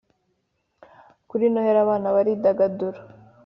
Kur noheli abana baridagadura